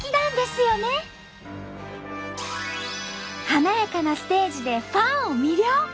華やかなステージでファンを魅了！